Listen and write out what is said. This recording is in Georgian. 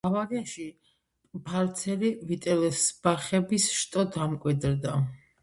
ბავარიაში პფალცელი ვიტელსბახების შტო დამკვიდრდა.